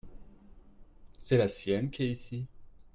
c'est la sienne qui est ici.